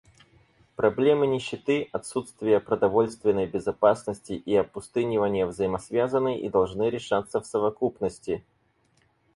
Проблемы нищеты, отсутствия продовольственной безопасности и опустынивания взаимосвязаны и должны решаться в совокупности.